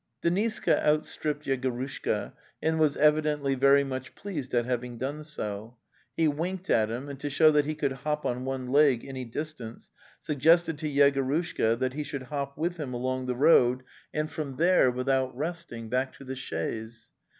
Deniska outstripped Yegorushka, and was evi dently very much pleased at having done so. He winked at him, and to show that he could hop on one leg any distance, suggested to Yegorushka that he should hop with him along the road and from The Steppe 183 there, without resting, back to the chaise.